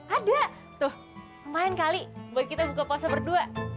ada tuh lumayan kali buat kita buka puasa berdua